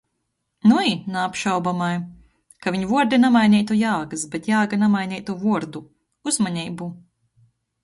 Nui, naapšaubamai... Ka viņ vuordi namaineitu jāgys, bet jāga namaineitu vuordu... Uzmaneibu!